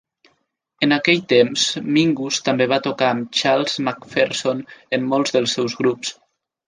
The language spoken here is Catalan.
En aquell temps, Mingus també va tocar amb Charles McPherson en molts dels seus grups.